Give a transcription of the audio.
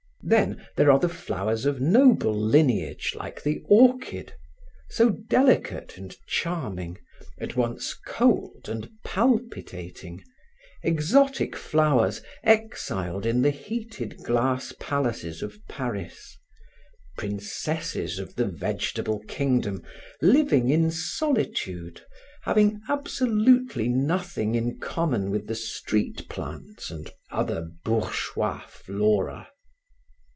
Then, there are flowers of noble lineage like the orchid, so delicate and charming, at once cold and palpitating, exotic flowers exiled in the heated glass palaces of Paris, princesses of the vegetable kingdom living in solitude, having absolutely nothing in common with the street plants and other bourgeois flora.